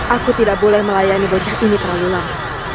aku tidak boleh melayani bocah ini terlalu lama